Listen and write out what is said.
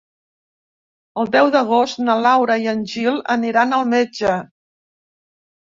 El deu d'agost na Laura i en Gil aniran al metge.